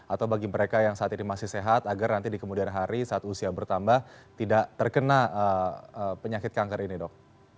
atau bagi mereka yang saat ini masih sehat agar nanti di kemudian hari saat usia bertambah tidak terkena penyakit kanker ini dok